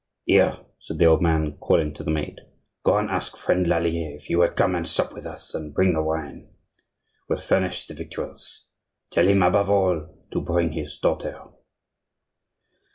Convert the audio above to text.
"Here!" said the old man, calling to the maid, "go and ask friend Lallier if he will come and sup with us and bring the wine; we'll furnish the victuals. Tell him, above all, to bring his daughter."